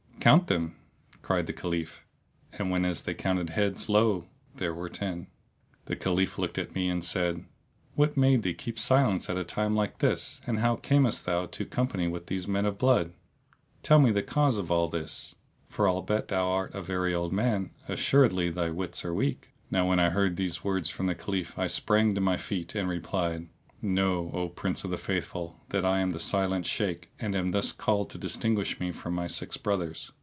"Count them!" cried the Caliph and whenas they counted heads, lo! there were ten. The Caliph looked at me and said, "What made thee keep silence at a time like this and how camest thou to company with these men of blood? Tell me the cause of all this, for albeit thou art a very old man, assuredly thy wits are weak." Now when I heard these words from the Caliph I sprang to my feet and replied, "Know, O Prince of the Faithful, that I am the Silent Shaykh and am thus called to distinguish me from my six brothers.